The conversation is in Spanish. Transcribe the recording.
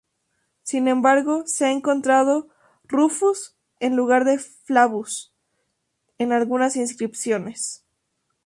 Sin embargo, se ha encontrado "Rufus" en lugar de "Flavus" en algunas inscripciones.